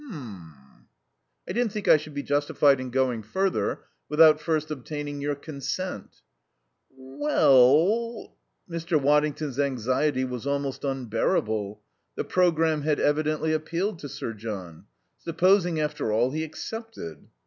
"H'm m." "I didn't think I should be justified in going further without first obtaining your consent." "We ell " Mr. Waddington's anxiety was almost unbearable. The programme had evidently appealed to Sir John. Supposing, after all, he accepted?